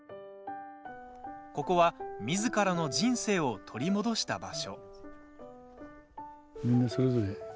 ここはみずからの人生を取り戻した場所。